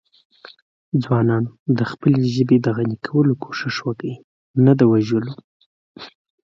د ځانه د انسان زوی جوړ که.